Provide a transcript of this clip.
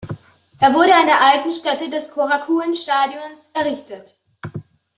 Er wurde an der alten Stätte des Kōrakuen-Stadions errichtet.